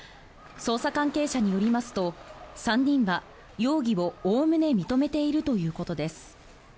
捜査関係者によりますと、３人は容疑をおおむね認めているということです。